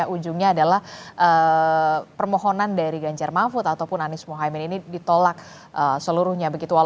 ujungnya adalah permohonan dari ganjar mahfud ataupun anies mohaimin ini ditolak seluruhnya